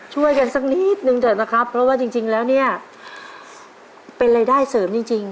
ช่วยกันสักนิดนึงเถอะนะครับเพราะว่าจริงแล้วเนี่ยเป็นรายได้เสริมจริงจริง